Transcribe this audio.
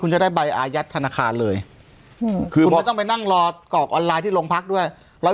จะได้ใบอายัดธนาคารเลยคืออาจจะมันนั่งรอกรอกออนไลน์ที่ลงพักด้วยแล้ว